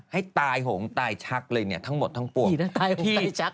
ให้ตายหงตายชักเลยเนี่ยทั้งหมดทั้งปวงตายชัก